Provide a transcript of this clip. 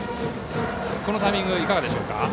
このタイミングはいかがでしょうか。